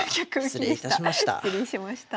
失礼いたしました。